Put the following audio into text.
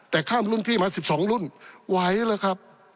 แต่ข้ามรุ่นพี่มา๑๒รุ่นไหวเลยครับ